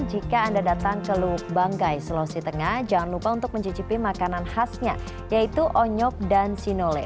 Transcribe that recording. jika anda datang ke luk banggai sulawesi tengah jangan lupa untuk mencicipi makanan khasnya yaitu onyok dan sinole